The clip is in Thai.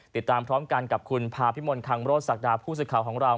ติดตามพร้อมกันกับคุณภาพิมลคังโรศักดาผู้สื่อข่าวของเรา